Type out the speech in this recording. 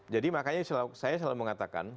jadi makanya saya selalu mengatakan